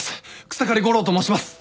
草刈悟郎と申します。